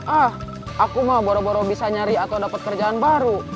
ah aku mah boro boro bisa nyari atau dapat kerjaan baru